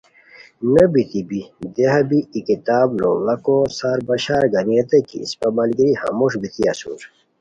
نو بیتی بی دیہا بی ای کتاب لوڑاکو سار بشار گانی ریتانی کی اسپہ ملگیری ہموݰ بیتی اسور